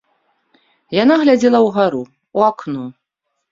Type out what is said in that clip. Яна глядзела ўгару, у акно.